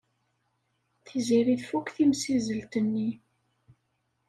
Tiziri tfuk timsizzelt-nni.